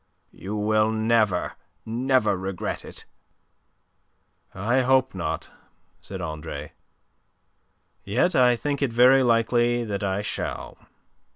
"You will never, never regret it." "I hope not," said Andre. "Yet I think it very likely that I shall.